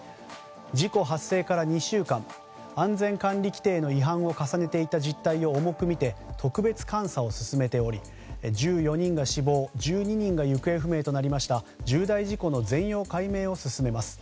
事故発生から２週間安全管理規程の違反を重ねていた実態を重く見て特別監査を進めており１４人が死亡１２人が行方不明となりました重大事故の全容解明を進めます。